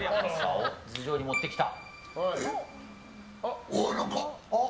頭上に持ってきた。